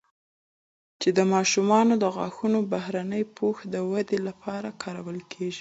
چې د ماشومانو د غاښونو بهرني پوښ د ودې لپاره کارول کېږي